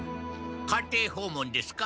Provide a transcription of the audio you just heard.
家庭訪問ですか？